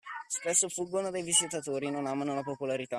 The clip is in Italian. Spesso fuggono dai visitatori “non amano la popolarità”.